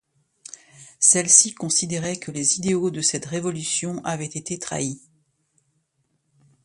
Celle-ci considérait que les idéaux de cette révolution avaient été trahis.